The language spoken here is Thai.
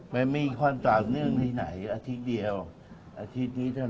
มันมีความต่อเนื่องในไหนอาทิตย์เดียวอาทิตย์นี้เท่านั้น